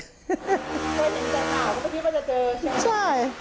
เจ้าอย่างใจเปล่าเค้าไม่คิดว่าจะเจอใช่ไหม